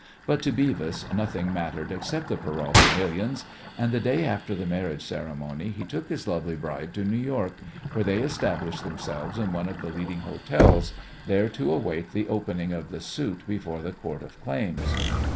But to Beavis nothing mattered except the Peralta millions, and the day after the marriage ceremony he took his lovely bride to New York, where they established themselves in one of the leading hotels, there to await the opening of the suit before the Court of Claims.